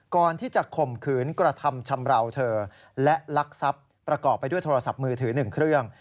ก่อนที่จะข่มขืนกระทำชำราวเธอและลักทรัพย์ประกอบไปด้วยโทรศัพท์มือถือ๑เครื่อง